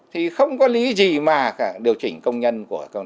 thì không có lý gì mà điều chỉnh công nhân của tiền lương